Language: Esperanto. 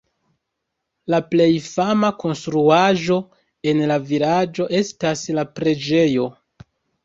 La plej fama konstruaĵo en la vilaĝo estas la preĝejo.